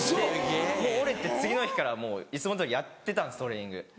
折れて次の日からいつもどおりやってたんですトレーニング。